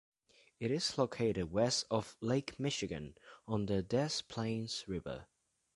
It is located west of Lake Michigan on the Des Plaines River.